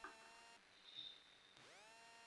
曾任海军西营基地司令员。